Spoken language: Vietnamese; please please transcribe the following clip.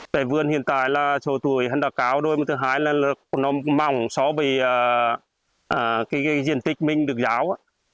tại vườn hiện tại là số tuổi đã cao rồi mà thứ hai là nó mỏng so với cái diện tích mình được giáo